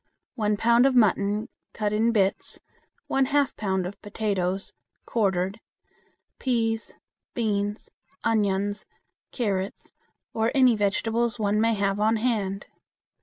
One pound of mutton, cut in bits, one half pound of potatoes (quartered), peas, beans, onions, carrots, or any vegetables one may have on hand.